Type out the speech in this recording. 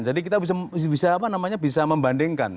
jadi kita bisa apa namanya bisa membandingkan